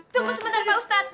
tunggu sebentar pak ustadz